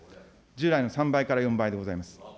従来の３倍から４倍でございます。